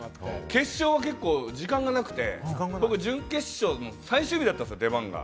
決勝は結構時間がなくて、僕、準決勝の最終日だったんですよ、出番が。